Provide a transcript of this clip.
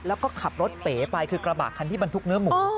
แล้วก็ขับรถเป๋ไปคือกระบะคันที่บรรทุกเนื้อหมู